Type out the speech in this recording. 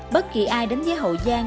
bất kỳ ai đến với hậu giang